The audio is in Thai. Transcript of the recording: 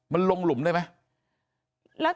มันลงหลุมได้ไหม